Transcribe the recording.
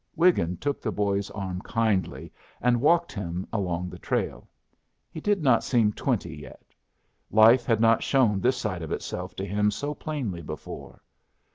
Wiggin took the boy's arm kindly and walked him along the trail. He did not seem twenty yet. Life had not shown this side of itself to him so plainly before.